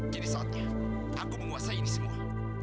jadi saatnya aku menguasai ini semua